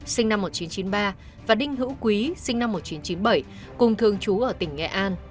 sinh năm một nghìn chín trăm chín mươi ba và đinh hữu quý sinh năm một nghìn chín trăm chín mươi bảy cùng thường trú ở tỉnh nghệ an